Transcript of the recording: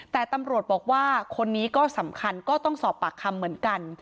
แต่ตำรวจบอกว่าคนนี้ก็สำคัญก็ต้องสอบปากคำเหมือนกัน